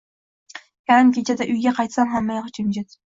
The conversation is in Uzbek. Yarim kechada uyga qaytsam hammayoq jimjit.